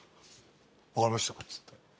「分かりました」っつって。